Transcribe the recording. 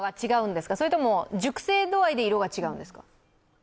熟成度合いで色が違うんですか？